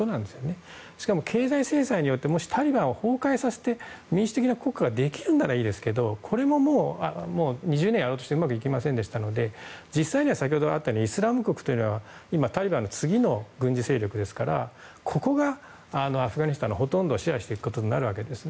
そして経済制裁によってタリバン政権が崩壊して民主的な国家ができるならいいですけどこれも２０年うまくいきませんでしたので実際にはイスラム国というのはタリバンの次の軍事勢力ですからここがアフガニスタンのほとんどを支配していることになるんです。